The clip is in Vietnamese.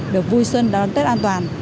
được vui xuân đón tết an toàn